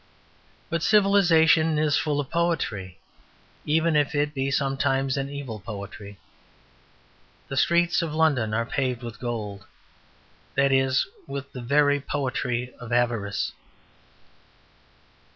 But civilization is full of poetry, even if it be sometimes an evil poetry. The streets of London are paved with gold; that is, with the very poetry of avarice."